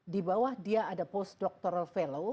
di bawah dia ada postdoctoral fellow